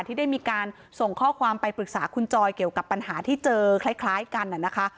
ที่ได้มีการส่งข้อความไปปรึกษาคุณจอยเกี่ยวกับปัญหาที่เจอคล้ายกันนะคะ